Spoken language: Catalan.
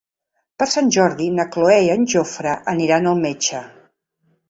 Per Sant Jordi na Cloè i en Jofre aniran al metge.